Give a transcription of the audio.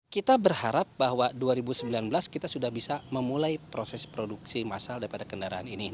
kita berharap bahwa dua ribu sembilan belas kita sudah bisa memulai proses produksi masal daripada kendaraan ini